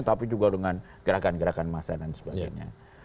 tapi juga dengan gerakan gerakan massa dan sebagainya